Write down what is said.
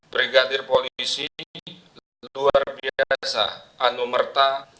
brigadir polisi luar biasa anumerta